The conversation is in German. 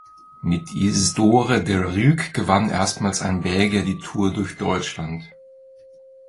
Mit Isidore De Ryck gewann erstmals ein Belgier die Tour durch Deutschland.